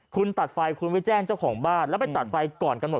คุณตัดไฟคุณไปแจ้งเจ้าของบ้านแล้วไปตัดไฟก่อนกำหนด